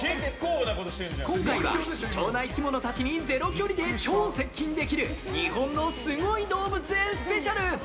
今回は貴重な生き物にゼロ距離で超接近できる日本のすごい動物園スペシャル！